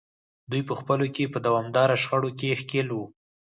دوی په خپلو کې په دوامداره شخړو کې ښکېل وو.